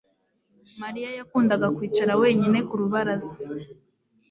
Mariya yakundaga kwicara wenyine ku rubaraza